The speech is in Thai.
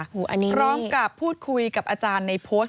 ร้องกับพูดคุยกับอาจารย์ในโพสต์